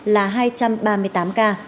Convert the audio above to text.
là hai trăm ba mươi tám ca